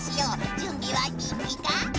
じゅんびはいいか？